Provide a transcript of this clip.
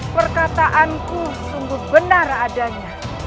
perkataanku sempurna adanya